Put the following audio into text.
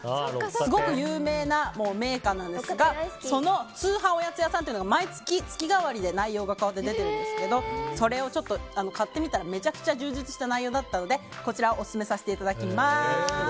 すごく有名な銘菓なんですがその通販おやつ屋さんというのが毎月月替わりで内容が変わって出てるんですがそれを買ってみたらめちゃくちゃ充実した内容だったので、こちらをオススメさせていただきます。